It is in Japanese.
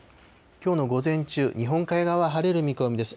きょうの午前中、日本海側、晴れる見込みです。